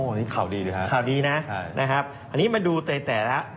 อ๋อนี่ข่าวดีเลยครับใช่นะครับอันนี้มาดูแต่ละ